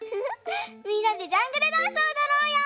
みんなでジャングルダンスをおどろうよ！